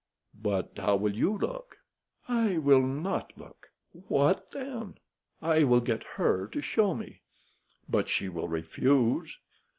"But how will you look?" "I will not look." "What then?" "I will get her to show me." "But she will refuse."